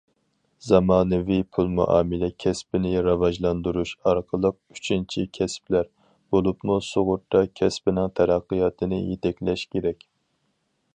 زامانىۋى پۇل مۇئامىلە كەسپىنى راۋاجلاندۇرۇش ئارقىلىق ئۈچىنچى كەسىپلەر، بولۇپمۇ سۇغۇرتا كەسپىنىڭ تەرەققىياتىنى يېتەكلەش كېرەك.